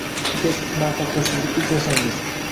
Agar siz muvaffaqiyatsizlikka uchrasangiz